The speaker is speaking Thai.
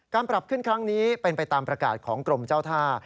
ปรับขึ้นครั้งนี้เป็นไปตามประกาศของกรมเจ้าท่า